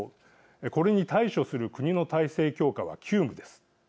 これに対処する国の体制強化は急務です。